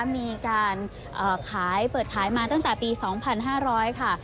มีการเอ่อขายเปิดขายมาตั้งแต่ปีสองพันห้าร้อยค่ะ